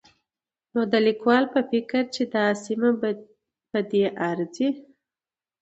نو د ليکوال په فکر چې دا سيمه په دې ارځي